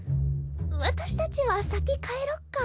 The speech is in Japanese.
私たちは先帰ろっか。